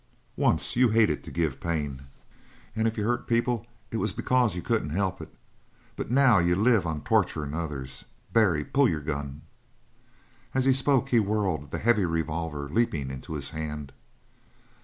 Once you hated to give pain, and if you hurt people it was because you couldn't help it. But now you live on torturin' others. Barry, pull your gun!" And as he spoke, he whirled, the heavy revolver leaping into his hand.